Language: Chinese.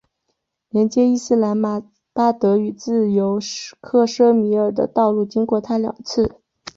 连接伊斯兰马巴德与自由克什米尔的道路经过它两次。